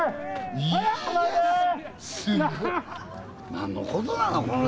何のことなのこの人ら。